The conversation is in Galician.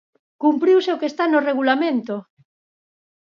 ¡Cumpriuse o que está no Regulamento!